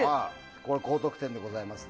高得点でございますね。